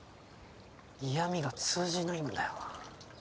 嫌みが通じないんだよな。